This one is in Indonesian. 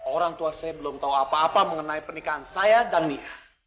orang tua saya belum tahu apa apa mengenai pernikahan saya dan nia